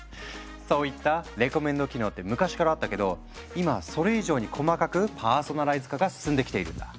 そういったレコメンド機能って昔からあったけど今はそれ以上に細かくパーソナライズ化が進んできているんだ。